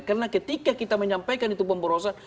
karena ketika kita menyampaikan itu pemborosan